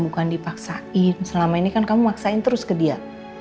bukan dipaksain selama ini kan kamu maksain terus ke dia